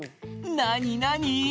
なになに？